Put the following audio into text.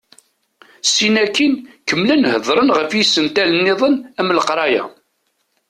Sin akkin kemmlen hedren ɣef yisental-nniḍen am leqraya.